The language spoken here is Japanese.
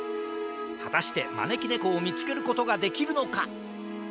はたしてまねきねこをみつけることができるのか？